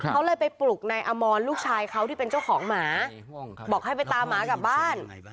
เขาเลยไปปลุกนายอมรลูกชายเขาที่เป็นเจ้าของหมาบอกให้ไปตามหมากลับบ้าน